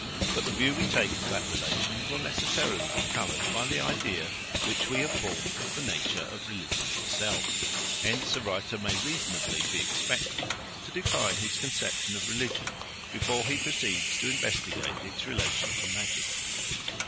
But the view we take of that relation will necessarily be coloured by the idea which we have formed of the nature of religion itself; hence a writer may reasonably be expected to define his conception of religion before he proceeds to investigate its relation to magic.